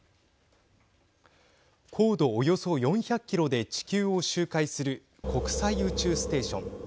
高度およそ４００キロで地球を周回する国際宇宙ステーション。